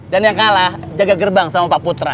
dan yang kalah jaga gerbang sama pak putra